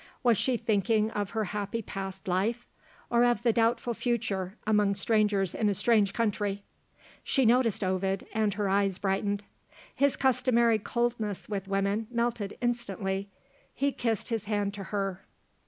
Was she thinking of her happy past life? or of the doubtful future, among strangers in a strange country? She noticed Ovid and her eyes brightened. His customary coldness with women melted instantly: he kissed his hand to her.